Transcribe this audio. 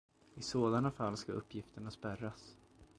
I sådana fall ska uppgifterna spärras.